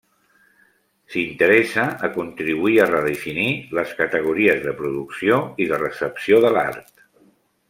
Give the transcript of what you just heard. S'interessa a contribuir a redefinir les categories de producció i de recepció de l'art.